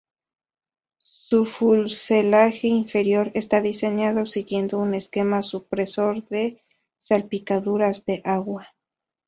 Su fuselaje inferior está diseñado siguiendo un esquema supresor de salpicaduras de agua.